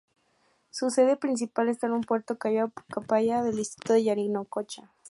Su sede principal está en Puerto Callao, Pucallpa del distrito de Yarinacocha.